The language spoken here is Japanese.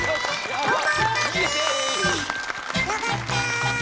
よかった！